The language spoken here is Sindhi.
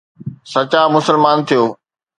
سچا مسلمان ٿيو.